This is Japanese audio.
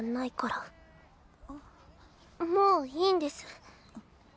もういいんです。